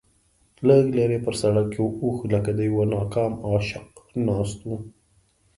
لږ لرې پر سړک یو اوښ لکه د یوه ناکام عاشق ناست و.